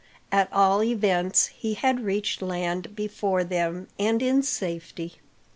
At all events, he had reached land before them, and in safety.